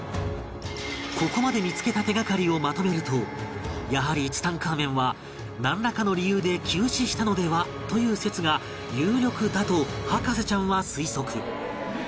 ここまで見付けた手がかりをまとめるとやはりツタンカーメンはなんらかの理由で急死したのでは？という説が有力だと博士ちゃんは推測